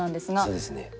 そうですね。